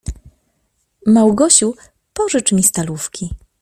— Małgosiu, pożycz mi stalówki.